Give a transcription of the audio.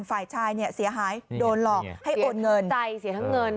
ฝ่ายชายเนี่ยเสียหายโดนหลอกให้โอนเงินใจเสียทั้งเงิน